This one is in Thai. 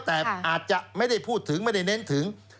แต่อาจจะไม่ได้พูดถึงไม่ได้เน้นถึง